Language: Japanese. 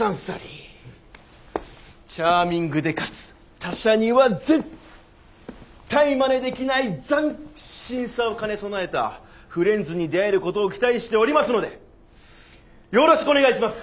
チャーミングでかつ他社には絶対まねできない斬新さを兼ね備えたフレンズに出会えることを期待しておりますのでよろしくお願いします！